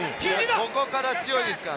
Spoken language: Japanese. ここから強いですから。